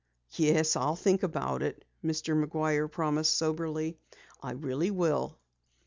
"Yes, I'll think about it," Mr. McGuire promised soberly. "I really will."